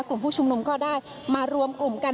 กลุ่มผู้ชุมนุมก็ได้มารวมกลุ่มกัน